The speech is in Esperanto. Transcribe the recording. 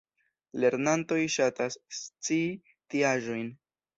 Lernantoj ŝatas scii tiaĵojn!